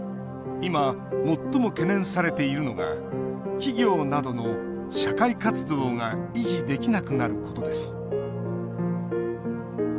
今、最も懸念されているのが企業などの社会活動が維持できなくなることです。